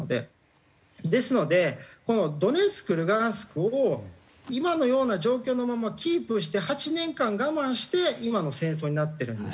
ですのでこのドネツクルハンシクを今のような状況のままキープして８年間我慢して今の戦争になってるんですよ。